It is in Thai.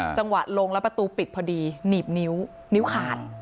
จังหวะลงแล้วประตูปิดพอดีหนีบนิ้วนิ้วขาด